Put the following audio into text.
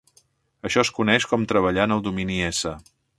Això es coneix com "treballar en el domini S".